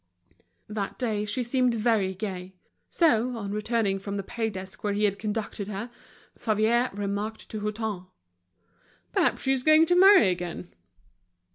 That day she seemed very gay. So, on returning from the pay desk where he had conducted her, Favier remarked to Hutin: "Perhaps she's going to marry again."